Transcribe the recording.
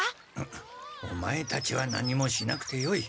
オマエたちは何もしなくてよい。